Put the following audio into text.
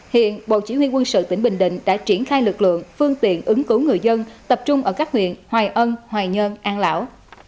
hiện bộ chỉ huy quân sự tỉnh bình định đã triển khai lực lượng phương tiện ứng cứu người dân tập trung ở các huyện hoài ân hoài nhơn an lão